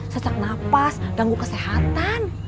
sesak napas ganggu kesehatan